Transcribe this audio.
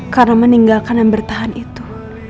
karena meninggalkan yang bertahan itu